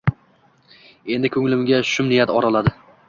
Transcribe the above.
Endi ko`nglimga shum niyat oraladi